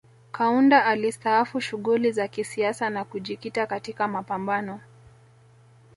Kaunda alistaafu shughuli za kisiasa na kujikita katika mapambano